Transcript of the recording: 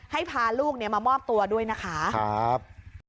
ให้พาลูกเนี้ยมามอบตัวด้วยนะคะครับ